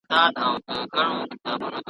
ستا نصیحت مي له کرداره سره نه جوړیږي .